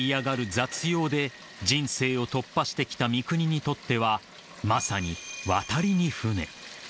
雑用で人生を突破してきた三國にとってはまさに渡りに船］